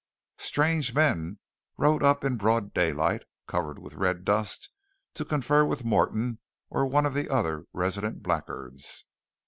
Strange men rode up in broad daylight, covered with red dust, to confer with Morton or one of the other resident blackguards.